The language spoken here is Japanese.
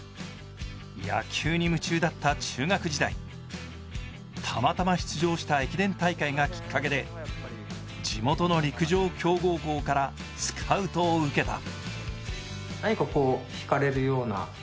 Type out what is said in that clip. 野球に夢中だった中学時代たまたま出場した駅伝大会がきっかけで地元の陸上強豪校からスカウトを受けた。